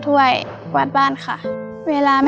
ตอบถูก๒ข้อรับ๑๐๐๐บาท